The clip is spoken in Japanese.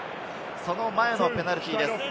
その前のペナルティーです。